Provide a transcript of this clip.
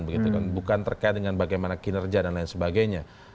bukan terkait dengan bagaimana kinerja dan lain sebagainya